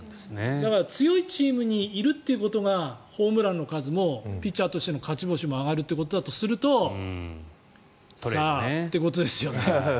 だから強いチームにいるということがホームランの数もピッチャーとしての勝ち星も上がるということだとするとさあ、ということですよね。